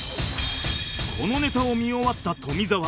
このネタを見終わった富澤